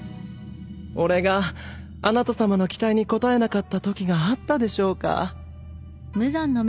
俺があなたさまの期待に応えなかったときがあったでしょうか。